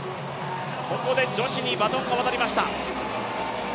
ここで女子にバトンが渡されました。